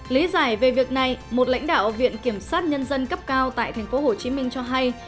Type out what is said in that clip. lý giải về việc này một lãnh đạo viện kiểm sát nhân dân cấp cao tại tp hcm cho hay